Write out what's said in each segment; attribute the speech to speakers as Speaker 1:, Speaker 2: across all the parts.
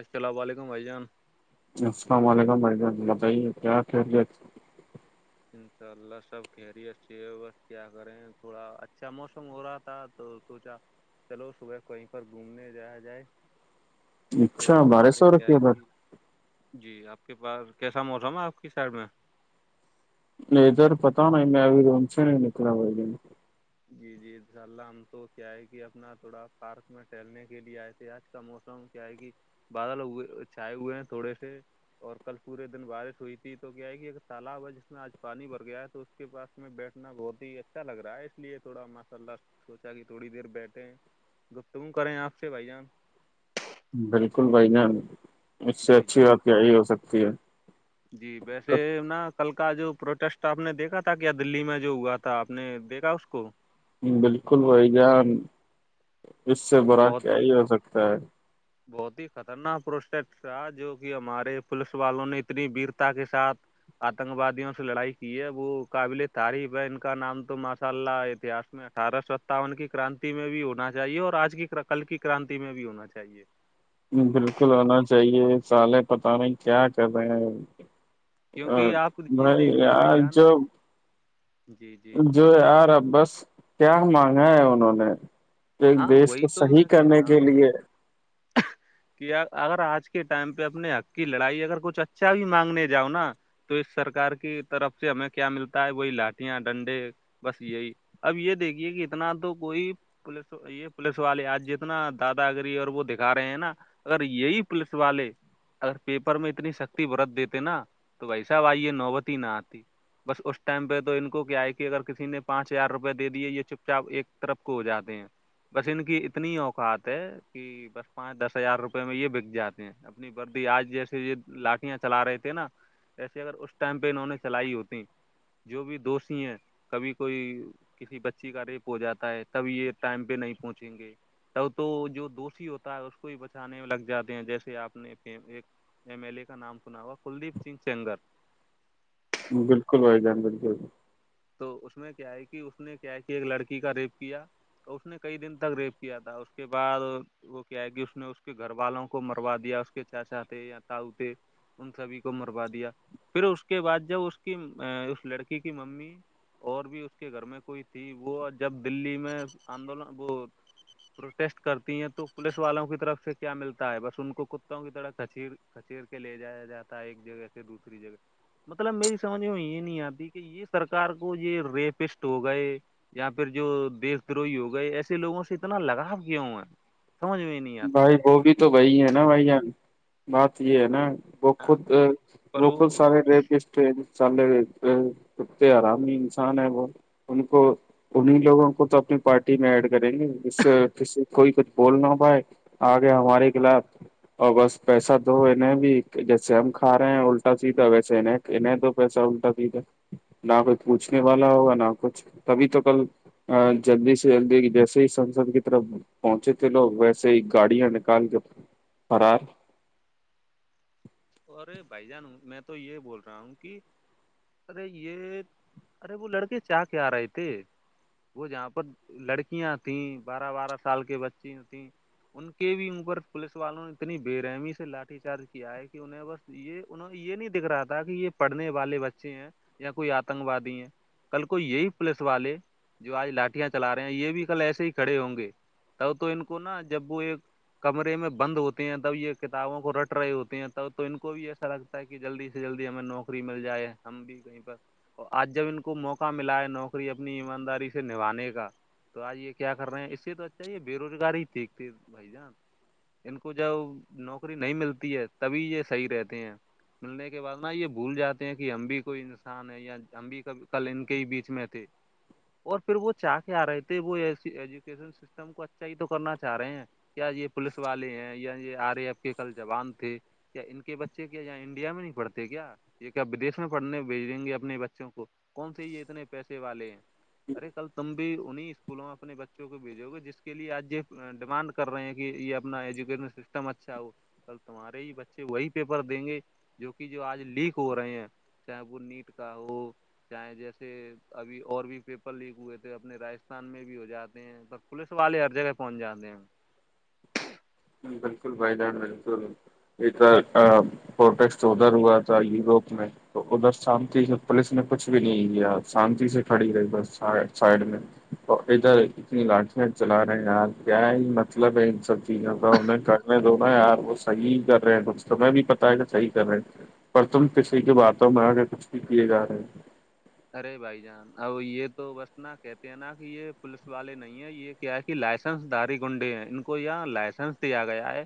Speaker 1: السلام علیکم بھائی جان
Speaker 2: [unintelligible]
Speaker 1: انشاء اللہ سب خیریت سے بس کیا کریں تھوڑا اچھا موسم ہو رہا تھا تو سوچا چلو صبح کہیں پر گھومنے جا جائے تو
Speaker 2: اچھا بارہ سو
Speaker 1: ہمارے
Speaker 2: روپ
Speaker 1: کیا ہے
Speaker 2: بر
Speaker 1: کہ جی آپ کے پاس کیسا موسم ہے آپ کی سائڈ میں
Speaker 2: ادھر پتا نہیں میں ائی رم سے نہیں نکر ب
Speaker 1: جی جی ان شاء اللہ ہم تو کیا ہے کہ اپنا تھوڑا پارک میں ٹہلنے کے لیے آئے تھے آج کا موسم کیا ہے کہ بادلئے چھائے ہوئے ہیں تھوڑے سے اور کل پورے دن بارش ہوئی تھی تو کیا ہے کہ ایک تالاب ہے جس میں آج پانی بھر گیا تو اس کے پس میں بیٹھنا بہت ہی اچھا لگ رہا ہے اس لیے تھوڑا ماشاء اللہ سوچا کہ تھوڑی دیر بیٹھے گفتگو کریں آپ سے بھائی جان [unintelligible]
Speaker 2: بالکل بھائی جان اس سے
Speaker 1: جی
Speaker 2: اچھی بات یہی ہو سکتی ہے
Speaker 1: جی جی ویسے نا کل کا جو پروٹیسٹ آپ نے دیکھا تھا کیا دللی میں جو ہوا تھا آپ نے دیکھا اس کو
Speaker 2: بالکل بھائی جان اس سے برا کیا ہی ہو سکتا ہے
Speaker 1: بہت ہی خطرناک پروسیکٹ تھا جو کہ ہمارے پوولس والوں نے اتنی ویرتا کے ساتھ آتنک وادیوں سے لڑائی کی ہے وہ قابل تعریف ہے ان کا نام تو ماشاء اللہ اتہس میں اٹھارہ سو ستاون کی کرانتی میں بھی ہونا چاہیے اور آج کی کل کی کرانتی میں بھی ہونا چاہیے
Speaker 2: بالکل ہونا چاہیے سالے پتہ نہیں کیا کر رہے ہیں ا
Speaker 1: کیونکہ آپ یہ
Speaker 2: بھائی
Speaker 1: دیکھیے بھائی
Speaker 2: آیار
Speaker 1: جان
Speaker 2: جو
Speaker 1: جی جی
Speaker 2: جو یار اب بس کیا مانگا ہے انہوں نے ایک
Speaker 1: ہاں
Speaker 2: دیش کو
Speaker 1: وہی
Speaker 2: صحیح کرنے کے لیے
Speaker 1: ہ کہ اگر آج کے ٹائم پہ اپنے حق کی لڑائی اگر کچھ اچھا بھی مانگنے جاؤ نا تو اس سرکار کی طرف سے ہمیں کیا ملتا ہے وہی لاٹیاں ڈنڈے بس یہی اب یہ دیکھیے کہ اتنا تو کوئی پولیس یہ پولیس والے آج جتنا دادا گری اور وہ دکھا رہے ہیں نا اگر یہی پولیس والے اگر پیپر میں اتنی سختی برت دیتے نا تو ویسا آئیے نوبتی نہ آتی بس اس ٹائم پہ تو ان کو کیا ہے کہ اگر کسی نے پانچ ہزار روپے دے دیے یہ چپ چاپ ایک طرف کو ہو جاتا بس ان کی اتنی اوقات ہے کہ بس پانچ دس ہزار روپے میں یہ بک جاتے ہیں اپنی بردی آج جیسے یہ لاٹیاں چلا رہے تھے نا جیسے اگر اس ٹائم پہ انہوں نے چلائی ہوتییں جو بھی دوستی ہیں کبھی کوئی کسی بچی کا ریپ ہو جاتا ہے کبھی یہ ٹائم پہ نہیں پہنچیں گے تب تو جو دوشی ہوتا ہے اس کو ہی بچانے میں لگ جاتے ہیں جیسے آپ نے ایم ایل اے کا نام سنا ہوا کلدیپ سنگ سینگر
Speaker 2: بالکل بھائی جان بالکل
Speaker 1: تو اس میں کیا ہے کہ اس نے کیا ہے کہ ایک لڑکی کا ریپ کیا تو اس نے کئی دن تک ریپ کیا تھا اس کے بعد وہ کیا ہے کہ اس نے اس کے گھر والوں کو مروا دیا اس کے چاچا تھے یا تاؤ تھے ان سبھی کو مروا دیا پھر اس کے بعد جب اس کی ا اس لڑکی کی ممی اور بھی اس کے گھر میں کوئی تھی وہ جب دللی میں آندولن وہ پروٹیسٹ کرتی ہیں تو پولیس والوں کی طرف سے کیا ملتا ہے بس ان کو کتوں کی طرح کچھییر کچیر کے لے جایا جاتا ہے ایک جگہ سے دوسری جگہ مطلب میری سمجھ میں یہ نہیں آتی کہ یہ سرکار کو یہ ریپسٹ ہو گئے یا پھر جو دیش دروہ ہو گئے ایسے لوگوں سے اتنا لگاؤ کیا ہوا ہے سجھ میںئی ن
Speaker 2: بھائی وہ بھی تو وہی ہے نا بھائیان بات یہ ہے نا وہ
Speaker 1: ہاں
Speaker 2: خود وہ خود سارے ری ےئے سبتے آرامی انسان ہے وہ ان کو انیں لوگوں کو تو اپنی پارٹی میں ایڈ کریں گے ج سے کسی کوئی کچھ بول نہ ہو پائے آگے ہمارے کلاف اور بس پیسہ دو انہیں بھی جیسے ہم کھا رہے ہیں الٹا سیدھا ویسے انہیں کہنے تو پیسہ الٹا سھا نہ کچھ پوچھنے والا ہوگا نہ کچھ تبھی تو کل جلدی سے جلدی جیسے ہی سسد کی طرف پہنچے تھے لوگ ویسے ہی گاڑیاں نکال کے فرار
Speaker 1: ارے بھائی جان میں تو یہ بول رہا ہوں کہ ارے یہ ارے وہ لڑکے چاہ کے آ رہے تھے وہ جہاں پر لڑکیاں تھیں بارہ بارہ سال کے بچی تھیں ان کے بھی اوپر پولیس والوں نے اتنی بےرحمی سے لاٹھی چارج کیا ہے کہ انہیں بس یہ انہ یہ نہیں دکھ رہا تھا کہ یہ پڑھنے والے بچے ہیں یا کوئی آتنک وادی ہے کل کو یہی پولیس والے جو آج لاٹیاں چلا رہے ہیں یہ بھی کل ایسے ہی کھڑے ہوں گے تب تو ان کو نا جب وہ ایک کمرے میں بند ہوتے ہیں تب یہ کتابوں کو رٹ رہے ہوتے ہیں تو ان کو بھی ایسا لگتا ہے کہ جلدی سے جلدی ہمیں نوکری مل جائے ہم بھی کہیں پر آج جب ان کو موقع ملا ہے نوکری اپنی ایمانداری سے نھانے کا تو آج یہ کیا کر رہے ہیں اس سے تو اچھا یہ بے روزگاری ہی دیکھتے بھائی جان ان کو جب نوکری نہیں ملتی ہے تبھی یہ صحیح رہتے ہیں ملنے کے بعد نا یہ بھول جاتے ہیں کہ ہم بھی کوئی انسان ہے یا ہم بھی کبھی کل ان کے ہی بیچ میں تھے اور پھر وہ چاہ کے آ رہے تھے وہ ایسی ایجوکیشن سسٹم کو اچھا ہی تو کرنا چاہ رہے ہیں کیا یہ پولیس والے ہیں یا یہ آ رہے آب کے کل جوان تھی کیا ان کے بچے کیا یہاں انڈیا میں نہیں پڑھتے کیا [unintelligible] یہ کیادش میں پڑھنے بھیجیں گے اپنے بچوں کو کون سےا یہ اتنے پیسے والے ہیں ارے کل تم بھی انہیں اسکولوں میں اپنے بچوں کو بھیجو گے جس کے لیے آج یہ ڈیمانڈ کر رہے ہیں کہ یہ اپنا ایجوکیشن سسٹم اچھا ہو کل تمہارے ہی بچے ا وہی پیپر دیں گے جو کہ جو آج لیک ہو رہے ہیں چاہے وہ نیٹ کا ہو چاہے جیسے ابھی اور بھی پیپر لیک ہوئے تھے اپنے راستھان میں بھی ہو جاتے ہیں تو پولس والے ہر جگہ پہنچ جاتے ہیں
Speaker 2: بالکل بھائی جان بالکل یہ تو پروٹسٹ ادھر ہوا تھا یوروپ میں تو ادھر شانتی سے پولیس نے کچھ بھی نہیں کیا شانتی سے کھڑی رہی بس سائڈ میں اور ادھر اتنی لاٹیاں چلا رہے ہیں آپ کیا ہی مطلب ہے ان سب چیزوں کا یں کرنے دوا یار وہ صحیح کر رہے ہیں تومیں بھی پتا ہے کہ صحی کر رہے پرتم کسی کی باتوں میں آگ کچھ بھی کیے جا رہے ہیں
Speaker 1: ارے بھائی جان اب یہ تو بس ن کہتے ہیں نا کہ یہ پوولس والے نہیں یہ کیا ہے کہ لائسنس داری گنڈے ہیں ان کو یہ لائسنس دیا گیا ہے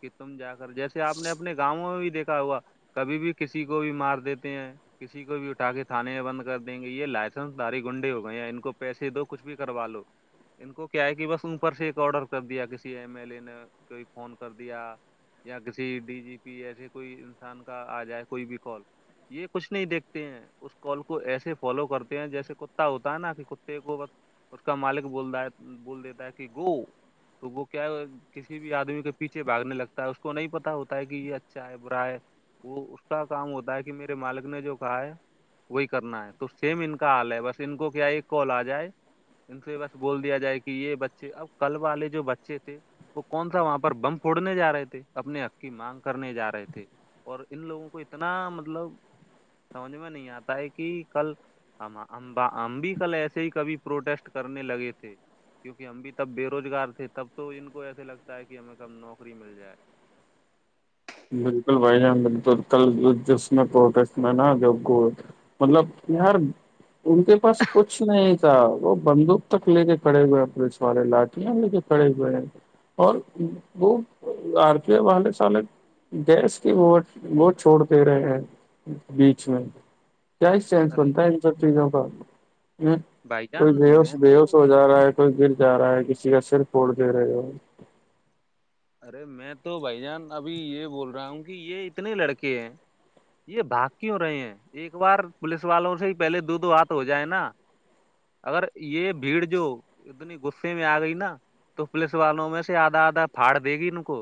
Speaker 1: کہ تم جا کر جیسے آپ نے اپنے گاؤں میں بھی دیکھا ہوا کبھی بھی کسی کو بھی مار دیتے ہیں کسی کو بھی اٹھا کے تھاانے میں بند کر دیں گے یہ لائسنس داری گنڈے ہو گئے یا ان کو پیس دو کچھ بھی کروا لو ان کو کیا ہے کہ بس اوپر سے ایک آڈر کر دیا کسی ایم ایل ا نے کوئی فون کر دیا [unintelligible] یا کسی ڈی جی پی ایسے کوئی انسان کا آ جائے کوئی بھی کال یہ کچھ نہیں دیکھتے ہیں اس کال کو کو ایسے فالو کرتے ہیں جیسے کتا ہوتا ہے نا کہ کتے کو اس کا مالک بول بول دیتا ہے کہ گو تو وہ کیا کسی بھی آدمی کے پیچھے بھاگنے لگتا ہے اس کو نہیں پتا ہوتا ہے کہ یہ اچھا ہے برا ہے وہ اس کا کام ہوتا ہے کہ میرے مالک نے جو کہا ہے وہی کرنا ہے تو سیم ان کا حال ہے بس ان کو کیا ایک کال آ جائے ان سے بس بول دیا جائے کہ یہ بچے اب کل والے جو بچے تھے وہ کون سا وہاں پر بم پھوڑنے جا رہے تھے اپنے حق کی مانگ کرنے جا رہے تھے [unintelligible] اور ان لوگوں کو اتنا مطلب سمجھ میں نہیں آتا کہ کل ہم ہم بھی کل ایسے ہی کبھی پروٹیسٹ کرنے لگے تھے کیونکہ ہم بھی تب بے روزگار تھے تب تو ان کو ایسے لگتا ہے کہ ہمیں کب نوکری مل جائے
Speaker 2: بالکل بھائی جان ب کل جس میں پروسٹ میں نا جو [unintelligible] مطلب یار ان کے پاس کچھ نہیں اھا وہ بندوق تک لے کے کھڑے ہوئے پولیس والے لاٹیاں لے کے کھڑے ہوئے اور وہ آارتی ہے والے سالے گیس کی وہ وہ چھوڑ دے رہے ہیں بیچ میں کیا ایکچینس
Speaker 1: ارے
Speaker 2: بنتا ہے ان سب چیزوں کا
Speaker 1: بھائی جان
Speaker 2: کوئی بش
Speaker 1: میں
Speaker 2: ب
Speaker 1: تو
Speaker 2: ہوش ہو جا رہا ہے کوئی گر جا رہا ہے کسی کا سر پھوڑ دے رہے ہو
Speaker 1: ارے میں تو بھائی جان ابھی یہ بول رہا ہوں کہ یہ اتنے لڑکے ہیں یہ بھگ کیوں رہے ہیں ایک بار پولیس والوں سے ہی پہلے دو دو ہاتھ ہو جائے نا اگر یہ بھیڑ جو [unintelligible] اتنی غصے میں آ گئی نا تو پلیس والوں میں سے آدھا آدھا پھاڑ دے گی ان کو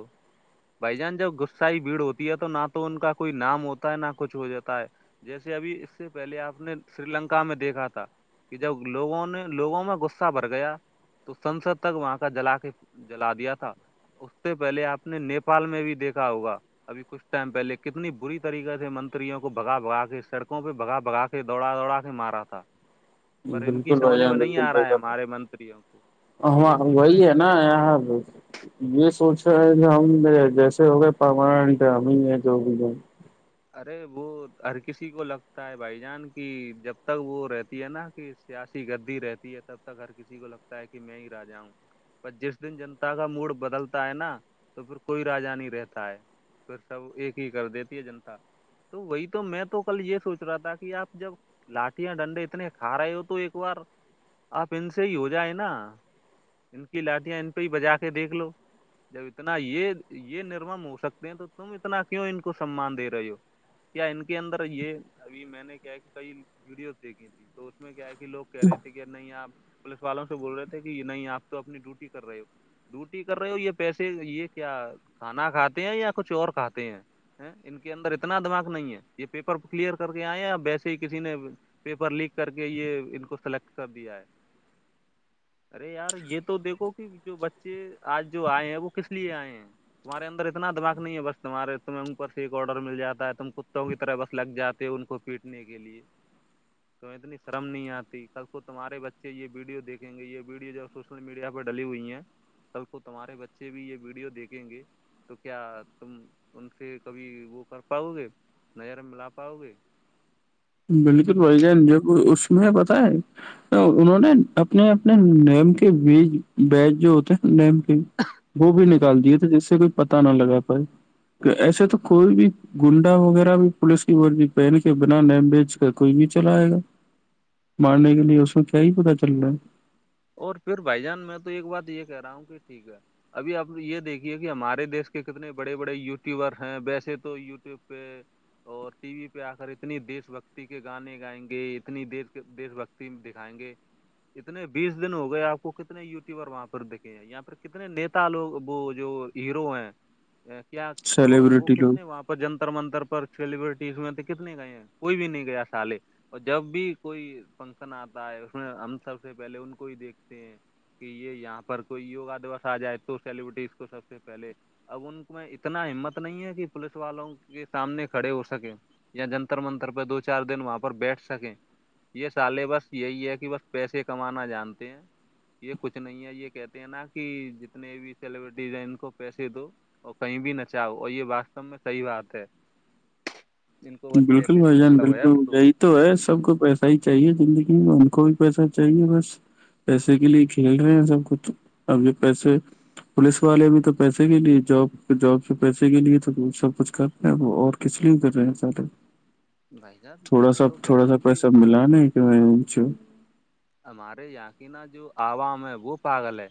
Speaker 1: بھائی جان جب غصہائی بھیڑ ہوتی ہے تو نہ تو ان کا کوئی نام ہوتا ہے نہ کچھ ہو جاتا ہے جیسے ابھی اس سے پہلے آپ نے سری لنکا میں دیکھا تھا کہ جب لوگوں نے لوگوں میں غصہ بھر گیا تو سنسد تک وہاں کا جلا کے جلا دیا تھا اس سے پہلے آپ نے نیپال میں بھی دیکھا ہوگا اب کچھ ٹائم پہلے کتنی بری طریقے سے منریوں کو بھگا بگا کے سڑکوں پہ بگا بگا کے دوڑا دوڑا کے مارا تھا پر ان کی
Speaker 2: بالکل بھائی
Speaker 1: سمجھ میں نہیں آ رہا ہے ہمارے منتریوں کو یہ
Speaker 2: ہماں
Speaker 1: سوچ
Speaker 2: وہی
Speaker 1: رہے ہیں
Speaker 2: ہے نا یہاں یہ سوچ رہے ہے کہ ہم جیسے ہو گئے پرماننٹ ہے ہمیں یہ جو بھی ہے
Speaker 1: ارے وہ ہر کسی کو لگتا ہے بھائی جان کی جب تک وہ رہتی ہے نا سیاسی گدی رہتی ہے تب تک ہر کسی کو لگتا ہے کہ میں ہی رہ جاؤں پر جس دن جنتا کا موڈ بدلتا ہے نا تو پھر کوئی راجا نہیں رہتا ہے پھر سب ایک ہی کر دیتی ہے جنتا تو وہی تو میں تو کل یہ سوچ رہا تھا کہ آپ جب لاٹیاں ڈنڈے اتنے کھا رہے ہو تو ایک بار آپ ان سے ہی ہو جائے نا ان کی لاٹیاں ان پہ ہی بجا کے دیکھ لو جب اتنا یہ یہ نمم ہو سکتے ہیں تو تم اتنا کیوں ان کو سمان دے رہے ہو کیا ان کے اندر یہ ابھی میں نے کیا کہ کئی ویڈیوز دیکھی تھی تو اس میں کیا ہے کہ لوگ کہہ رہے تھے کہ نہیں آپ پولیس والوں سے بول رہے تھے کہ نہیں آپ تو اپنی ڈیوٹی کر رہے ہو ڈوٹی کر رہے ہو یہ پیسے یہ کیا کھانا کھاتے ہیں یا کچھ اور کھاتے ہیں ہے ان کے اندر اتنا دماغ نہیں ہے یہ پیپر کلیئر کر کے آئے ویسے ہی کسی نے پیپر لیک کر کے یہ ان کو سلیکٹ کر دیا ہے ارے یار یہ تو دیکھو کہ جو بچے آج جو آئے ہیں وہ کس لیے آئے ہیں تمہارے اندرت دا نہیں ہے بس تمہارے تمہ اور سے ایک آڈرل جاتا تم کتوں کی طرح بس لگ جاتے ہو ان کو پیٹنے کے لیے تو اتنیرم نہیں آتی کب کو تمہارے بچے یہ ویڈیو دیکیں گے یہ ویڈیو جب سوشل میڈیا پہ ڈلی ہوئی ہیں کل کو تمہارے بچے بھی یہ ویڈیو دیکھیں گے تو کیا تم ان سے کبھی وہ کر پاؤ گے نظر میں لا پاؤ گے
Speaker 2: بالکل بائی جان جو اس میں پت ہے انہوں نے اپنے اپنے نیم کے بیج بیج جو ہوتے ہیں نیم کے وہ بھی
Speaker 1: جی
Speaker 2: نکال دیے تھے جس سے کوئی پتا نہ لگا پھائی ایسے تو کوئی بھی گنڈا وغیرہ بھی پوولس کی ورزی پہن کے بناان بیچ کر کوئی بھی چلائے گا مارنے کے لیے اس میں کیا ہی پتا چل رہا ہے
Speaker 1: اور پھر بھائی جان میں تو ایک بات یہ کہہ رہا ہوں کہ ٹھیک ہے ابھی آپ یہ دیکھیے کہ ہمارے دیش کے کتنے بڑے بڑے یوٹیوبر ہیں ویسے تو یوٹیوب پہ اور ٹی وی پہ آ کر اتنی دیش بھکتی کے گانے گائیں گے اتنی دیش بھکتی دکھائیں گے اتنے بیس دن ہو گئے آپ کو کتنے وٹیوبر وہاں پر دیکھیں گے یہاں پر کتنے نیتا لوگ وہ جو ہیرو ہیں کیا وہ
Speaker 2: سیلیبریٹی لوگ
Speaker 1: کتنے وہاں پر جنتر منتر پر سیلیبرٹیز میں تو کتنے گئے ہیں کوئی بھی نہیں گیا سالے اور جب بھی کوئی فنکشن آتا ہے اس میں ہم سب سے پہلے ان کو ہی دھتے ہیں کہ یہ یہاں پر کوئی وگا دوس آ جائے تو سیلبرٹیز کو سب سے پہلے اب ان میں اتنا ہمت نہیں ہے کہ پوولس والوں کے سامنے کھڑے ہو سکے یا جنتر منتر پہ دو چار دن وہاں پر بیٹھ سکیں یہ سالح بس یہی ہے کہ بس پیسے کمانا جانتے ہیں یہ کچھ نہیں ہے یہ کہتے ہیں نا کہ جتنے بھی سیلیبریٹیز ہیں ان کو پیسے دو اور کہیں بھی نہچاہؤ اور یہ وا سب میں صحیح بات ہے جن کو بس
Speaker 2: بالکل
Speaker 1: پیسے سے
Speaker 2: بھائی جان
Speaker 1: مطلب ہے اب
Speaker 2: بالکل
Speaker 1: تو
Speaker 2: یہی تو ہے سب کو پیسہ ہی چاہیے زندگی میں ان کو بھی پیسہ چاہیے بس پیسے کے لیے کھیل رہے ہیں سب کچھ ابھی پیسے پولیس والے بھی تو پیسے کے لیے جاب جاب سے پیسے کے لیے تو سب کچھ کر وہ اور کس لے کر رہے
Speaker 1: بھائی صاحب
Speaker 2: تھوڑا
Speaker 1: میں
Speaker 2: سا
Speaker 1: تو کہہ
Speaker 2: تھوڑا
Speaker 1: رہا
Speaker 2: سا
Speaker 1: ہوں کہ
Speaker 2: پیسہ ملا نہیں کہھ
Speaker 1: ہمارے یاں کی نا جو عوام ہے وہ پاگل ہے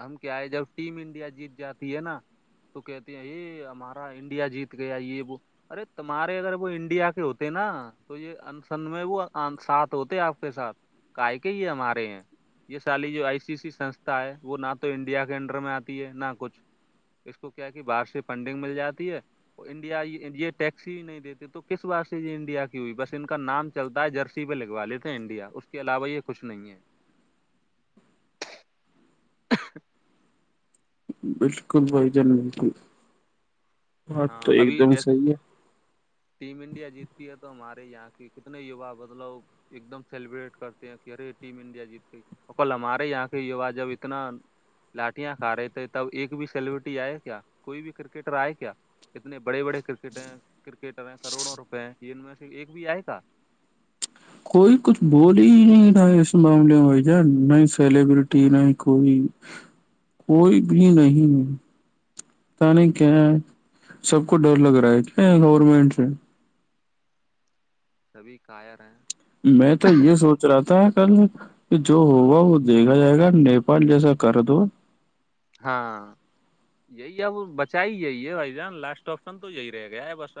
Speaker 1: ہم کیا ہے جب ٹیم انڈیا جیت جاتی ہے نا تو کہتی ہیں یہ ہمارا انڈیا جیت گیا یہ وہ ارے تمہارے اگر وہ انڈیا کے ہوتے نا تو یہ انسن میں وہ ساتھ ہوتے آپ کے ساتھ کاائے کہئی ہے ہمارے یہاں یہ سالی جو آئی سی سی سسھا ہے وہ نہ تو انڈیا کے انڈر میں آتی ہے نہ کچھ اس کو کیا کہ باہر سے فنڈنگ مل جاتی ہے انڈیا یہ ٹیکسی ہی نہیں دیتے تو کس بار سے یہ انڈیا کی ہوئی بس ان کا نام چلتا ہے جرسی پہ لگوا لیتے ہیں انڈیا اس کے علاوہ یہ کچھ نہیں ہے [inaudible]
Speaker 2: بالکل بھائی جان بالکل بات
Speaker 1: ہاں
Speaker 2: تو ایک
Speaker 1: ابھی
Speaker 2: دم
Speaker 1: جیسے
Speaker 2: صحیح ہے
Speaker 1: ٹیم انڈیا جیتتی ہے تو ہمارے یہاں کہ کتنے یوا مطلب ایک دم سیلیبریٹ کرتے ہیں کہ ہر ٹیم انڈیا جیت کے کل ہمارے یہاں کے یوا جب اتنا لاٹیاں کھا رہے تھے تب ایک بھی سیلبرٹی آئے کیا کوئی بھی کرکٹر آئے کیا اتنے بڑے بڑے کرکٹر کرکٹر ہیں کروڑوں روپئے ہیں یہ ان میں سے ایک بھی آئے گا
Speaker 2: کوئی کچھ بولی ہی نہیں نہ اس معاملے میں ج نہیں ہی سیلیبرٹی نہیں کوئی کوئی بھی نہیں نہیں کیا
Speaker 1: سب
Speaker 2: سب کو ڈر لگ رہا ہے کیا گورنمنٹ سے
Speaker 1: سبھی کاائر ہیں
Speaker 2: میں تو یہ سوچ رہا تھا کل کہ جو ہوگا وہ دیکھا جائے گا نیپال جیسا کر دو
Speaker 1: ہاں یہی اب بچا ہی یہی ہے بھائی جان لاسٹ آپشن تو یہی رہ گیا ہے بس اب